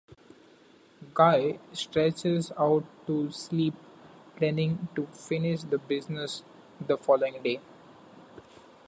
Guy stretches out to sleep, planning to finish the business the following day.